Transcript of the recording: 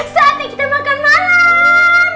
saatnya kita makan malam